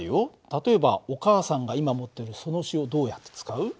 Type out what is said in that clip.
例えばお母さんが今持ってるその塩どうやって使う？